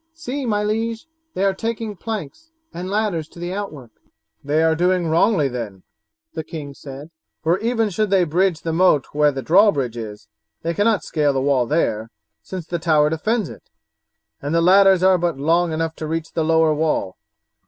See, my liege, they are taking planks and ladders to the outwork." "They are doing wrongly then," the king said, "for even should they bridge the moat where the drawbridge is, they cannot scale the wall there, since the tower defends it, and the ladders are but long enough to reach the lower wall.